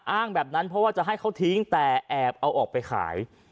แบบนั้นเพราะว่าจะให้เขาทิ้งแต่แอบเอาออกไปขาย